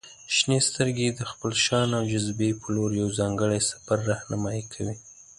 • شنې سترګې د خپل شان او جاذبې په لور یو ځانګړی سفر رهنمائي کوي.